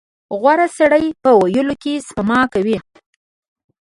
• غوره سړی په ویلو کې سپما کوي.